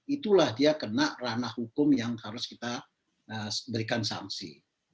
itulah dia kena ranah hukum yang harus kita berikan sanksi